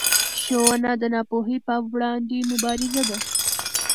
ښوونه د ناپوهۍ پر وړاندې مبارزه ده